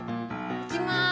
いきます。